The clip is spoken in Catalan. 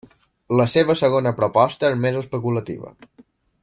La seva segona proposta és més especulativa.